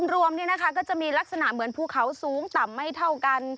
รวมก็จะมีลักษณะเหมือนภูเขาสูงต่ำไม่เท่ากัน